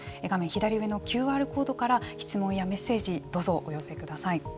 左上のＱＲコードから質問やメッセージをどうぞお寄せください。